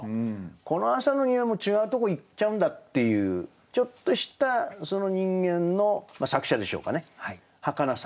この朝の匂いも違うとこ行っちゃうんだっていうちょっとしたその人間の作者でしょうかねはかなさ。